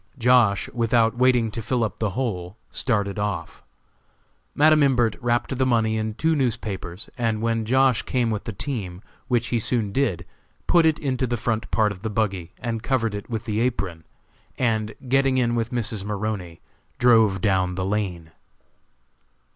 Josh., without waiting to fill up the hole, started off. Madam Imbert wrapped the money in two newspapers, and when Josh. came with the team, which he soon did, put it into the front part of the buggy and covered it with the apron, and, getting in with Mrs. Maroney, drove down the lane.